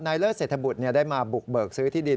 เลิศเศรษฐบุตรได้มาบุกเบิกซื้อที่ดิน